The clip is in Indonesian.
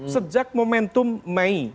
sejak momentum mei